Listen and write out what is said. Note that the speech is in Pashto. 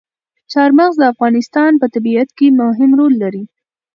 چار مغز د افغانستان په طبیعت کې مهم رول لري.